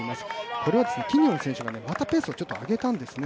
これはキニオン選手がまたペースを上げてきたんですね。